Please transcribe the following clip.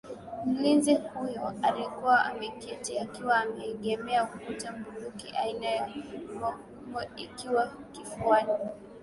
Mlinzi huyo alikuwa ameketi akiwa ameegemea ukuta bunduki aina ya gobole ikiwa kifuani